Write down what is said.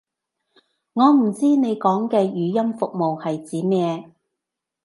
我唔知你講嘅語音服務係指咩